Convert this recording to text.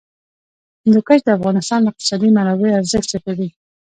هندوکش د افغانستان د اقتصادي منابعو ارزښت زیاتوي.